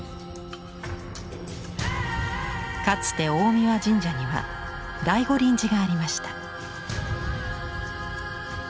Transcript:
かつて大神神社には大御輪寺がありました。